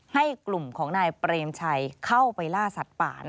ให้กลุ่มของนายเปรมชัยเข้าไปล่าสัตว์ป่า